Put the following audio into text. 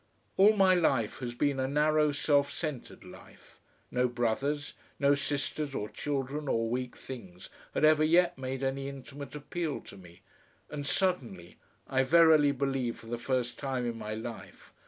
All my life has been a narrow self centred life; no brothers, no sisters or children or weak things had ever yet made any intimate appeal to me, and suddenly I verily believe for the first time in my life!